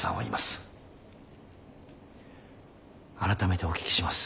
改めてお聞きします。